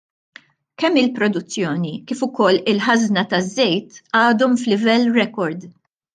Kemm il-produzzjoni kif ukoll il-ħażna taż-żejt għadhom f'livelli rekord.